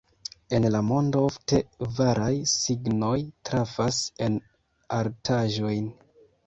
En la mondo ofte varaj signoj trafas en artaĵojn.